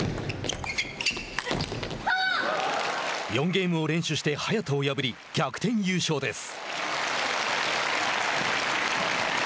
４ゲームを連取して早田を破り逆転優勝です。